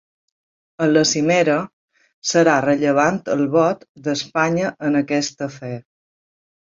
En la cimera, serà rellevant el vot d’Espanya en aquest afer.